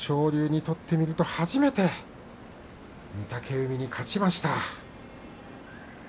豊昇龍にとってみると初めて御嶽海に勝ちました。